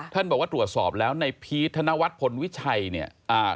ท่านบอกว่าตรวจสอบแล้วในพีชธนวัฒนพลวิชัยเนี่ยอ่า